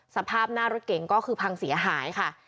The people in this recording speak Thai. สภาพหน้ารถเก่งก็คือพังเสียหายค่ะ